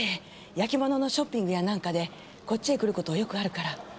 焼き物のショッピングやなんかでこっちへ来る事よくあるから。